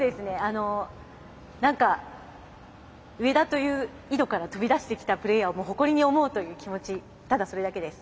何か上田という井戸から飛び出してきたプレーヤーを誇りに思うという気持ちただそれだけです。